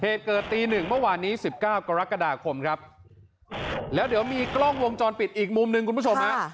เหตุเกิดตีหนึ่งเมื่อวานนี้๑๙กรกฎาคมครับแล้วเดี๋ยวมีกล้องวงจรปิดอีกมุมหนึ่งคุณผู้ชมฮะ